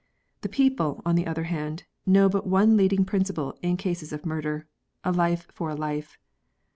The people, on the other hand, know but one leading principle in cases of murder — a life for a life.